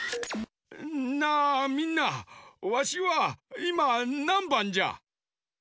なあみんなわしはいまなんばんじゃ？